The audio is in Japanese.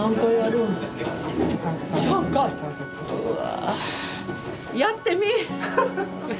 うわ。